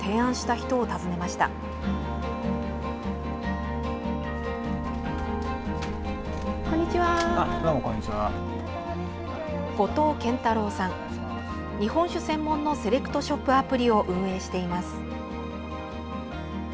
日本酒専門のセレクトショップアプリを運営しています。